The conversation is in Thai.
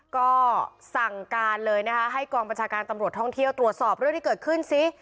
ก็สั่งการเลยนะคะให้กองบัญชาการตำรวจท่องเที่ยวตรวจสอบเรื่องที่เกิดขึ้นซิ